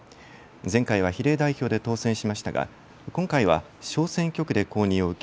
前回は比例代表で当選しましたが今回は小選挙区で公認を受け